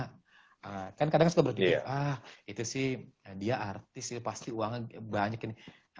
karena kan kadang suka berpikir ah itu sih dia artis pasti uangnya banyak ini